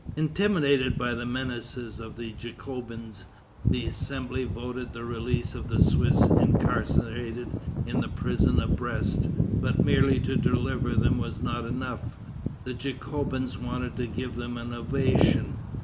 Intimidated by the menaces of the Jacobins, the Assembly voted the release of the Swiss incarcerated in the prison of Brest. But merely to deliver them was not enough: the Jacobins wanted to give them an ovation.